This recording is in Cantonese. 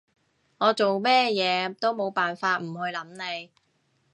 我做咩嘢都冇辦法唔去諗你